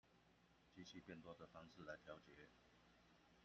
機器變多的方式來調節